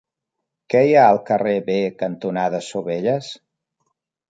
Què hi ha al carrer B cantonada Sovelles?